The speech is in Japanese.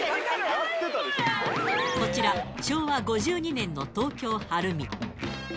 こちら、昭和５２年の東京・晴海。